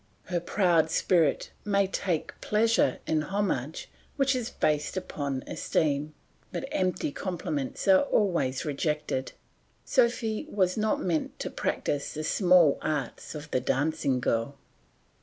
Her proud spirit may take pleasure in homage which is based upon esteem, but empty compliments are always rejected; Sophy was not meant to practise the small arts of the dancing girl.